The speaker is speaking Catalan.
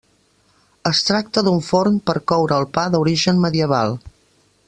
Es tracta d'un forn per coure el pa d'origen medieval.